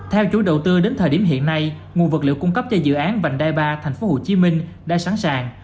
theo chủ đầu tư đến thời điểm hiện nay nguồn vật liệu cung cấp cho dự án vành đai ba tp hcm đã sẵn sàng